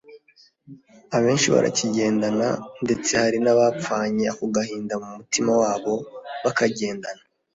abenshi barakigendana ndetse hari n’abapfanye ako gahinda mu mutima wabo bakagendana